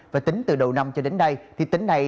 và tính từ đầu năm cho đến nay thì tính này